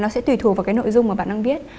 nó sẽ tùy thuộc vào cái nội dung mà bạn đang biết